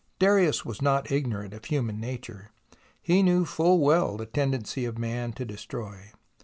Darius was not ignorant of human nature. He knew full well the tendency of man to destroy.